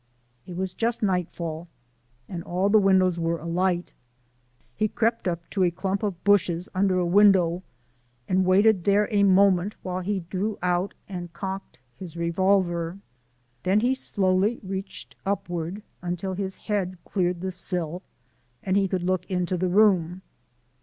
It was just nightfall and all the windows were alight. He crept up to a clump of bushes under a window and waited there a moment while he drew out and cocked his revolver. Then he slowly reached upward until his head cleared the sill and he could look into the room.